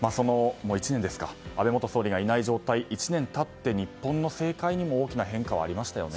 安倍元総理大臣がいない状態で１年経って日本の政界にも大きな変化がありましたね。